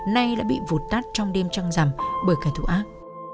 nay đã bị vụt tắt trong đêm trăng rằm bởi cái thủ ác